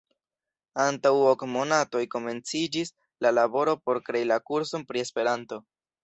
Antaŭ ok monatoj komenciĝis la laboro por krei la kurson pri Esperanto.